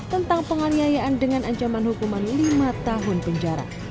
tentang penganiayaan dengan ancaman hukuman lima tahun penjara